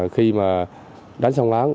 khi mà đánh xong láng